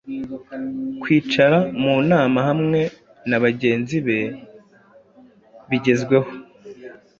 Kwicara mu nama hamwe nabagenzi be bigezweho,